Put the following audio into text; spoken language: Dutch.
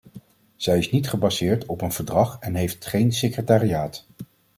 Zij is niet gebaseerd op een verdrag en heeft geen secretariaat.